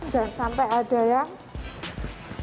jangan sampai ada yang